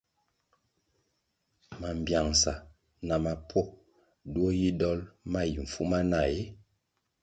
Mambpiangsa na mapuo duo yi dol ma yi mfumana ee ?